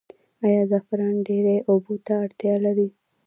آیا زعفران ډیرې اوبو ته اړتیا لري؟